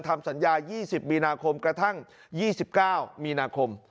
ทำสัญญา๒๐มีนาคมกระทั่ง๒๙มีนาคม